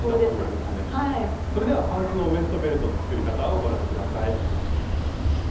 それではパンツのウエストベルトの作り方をご覧下さい。